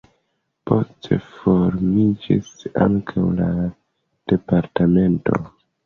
Poste formiĝis ankaŭ la departemento.